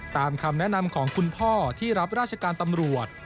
คำแนะนำของคุณพ่อที่รับราชการตำรวจ